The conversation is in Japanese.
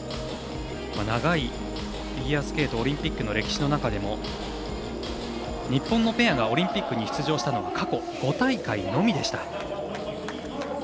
長いフィギュアスケートオリンピックの歴史の中でも、日本のペアがオリンピックに出場したのは過去５大会のみでした。